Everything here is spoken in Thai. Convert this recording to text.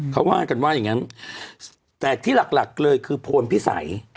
เขาว่ากันว่าอย่างนั้นแต่ที่หลักเลยคือโพนพิสัย